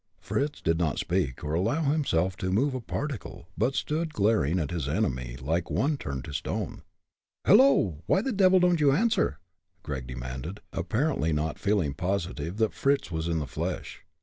Fritz did not speak, or allow himself to move a particle, but stood glaring at his enemy like one turned to stone. "Hello! why the devil don't you answer?" Gregg demanded; apparently not feeling positive that Fritz was in the flesh.